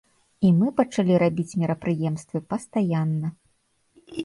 І мы пачалі рабіць мерапрыемствы пастаянна.